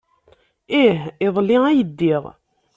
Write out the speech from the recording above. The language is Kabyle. Ih, iḍelli ay ddiɣ.